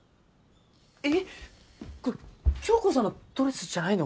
えっこれ響子さんのドレスじゃないの？